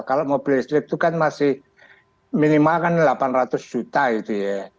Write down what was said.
kalau mobil listrik itu kan masih minimal rp delapan ratus juta